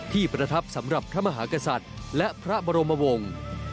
ประทับสำหรับพระมหากษัตริย์และพระบรมวงศ์